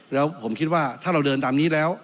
แล้วผมคิดว่าถ้าเราเดินตามนี้แล้ว